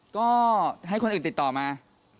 ก็ให้คนอื่นติดต่อมา